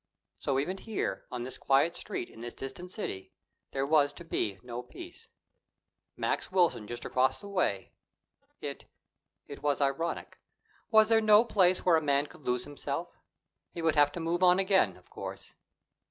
So, even here, on this quiet street in this distant city, there was to be no peace. Max Wilson just across the way! It it was ironic. Was there no place where a man could lose himself? He would have to move on again, of course.